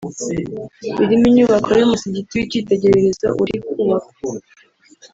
birimo inyubako y’umusigiti w’icyitegererezo uri kubakwa